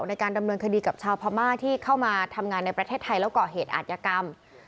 ในการดำเนินคดีกับชาวพม่าที่เข้ามาทำงานในประเทศไทยแล้วก่อเหตุอาจยกรรม